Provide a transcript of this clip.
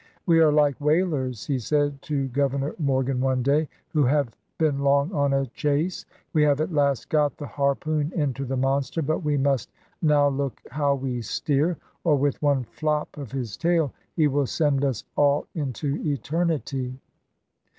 "We are like whalers," he said to Governor Morgan one day, " who have been long on a chase : we have at last got the harpoon into the monster, but we must now look how we steer, or with one ' flop ' of his ^wt" tail he will send us all into eternity."